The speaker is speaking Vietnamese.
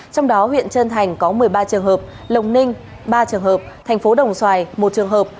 trong đó huyện trân thành có một mươi ba trường hợp lồng ninh ba trường hợp thành phố đồng xoài một trường hợp